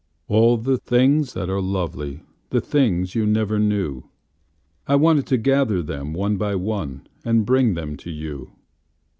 All the things that are lovely—The things you never knew—I wanted to gather them one by oneAnd bring them to you.